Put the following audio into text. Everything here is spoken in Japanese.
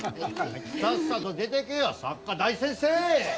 さっさと出てけよ作家大先生！